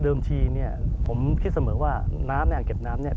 ทีเนี่ยผมคิดเสมอว่าน้ำในอ่างเก็บน้ำเนี่ย